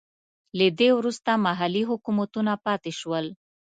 له دې وروسته محلي حکومتونه پاتې شول.